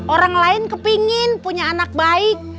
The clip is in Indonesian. orang lain kepingin punya anak baik